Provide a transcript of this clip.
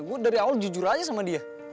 gue dari awal jujur aja sama dia